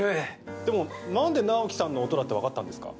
でもなんで直木さんの音だって分かったんですか？